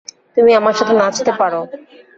তুমি আমার সাথে নাচতে পারো।